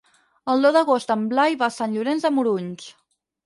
El deu d'agost en Blai va a Sant Llorenç de Morunys.